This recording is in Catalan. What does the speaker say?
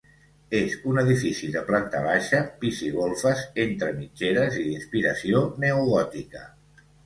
És un edifici de planta baixa, pis i golfes, entre mitgeres i d'inspiració neogòtica.